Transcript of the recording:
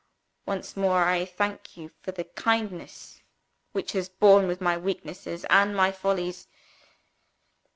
"Once more, I thank you for the kindness which has borne with my weaknesses and my follies.